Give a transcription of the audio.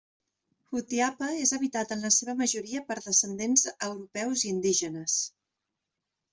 Jutiapa és habitat en la seva majoria per descendents Europeus i Indígenes.